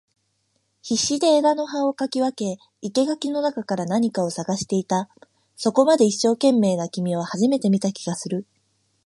必死で枝を葉を掻き分け、生垣の中から何かを探していた。そこまで一生懸命な君は初めて見た気がする。